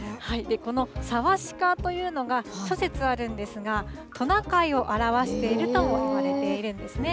このさわしかというのが、諸説あるんですが、トナカイを表しているともいわれているんですね。